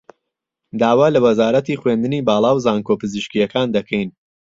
داوا له وهزارهتی خوێندنی باڵا و زانکۆ پزیشکییهکان دهکهین